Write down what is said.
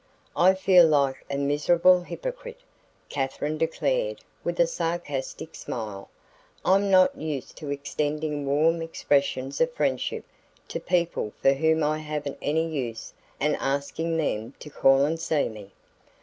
"I feel like a miserable hypocrite," Katherine declared with a sarcastic smile. "I'm not used to extending warm expressions of friendship to people for whom I haven't any use and asking them to call and see me."